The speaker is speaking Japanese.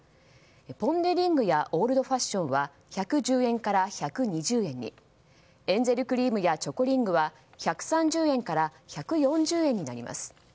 ポン・デ・リングやオールドファッションは１１０円から１２０円にエンゼルクリームやチョコリングは１３０円から１４０円になります。